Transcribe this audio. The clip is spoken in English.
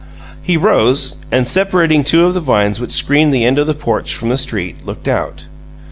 He rose, and, separating two of the vines which screened the end of the porch from the street, looked out.